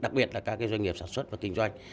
đặc biệt là các doanh nghiệp sản xuất và kinh doanh